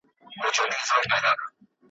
خیال دي لېمو کي زنګوم جانانه هېر مي نه کې ,